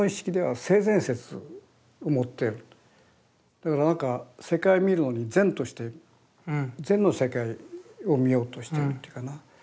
だから何か世界見るのに善として善の世界を見ようとしてるっていうかな。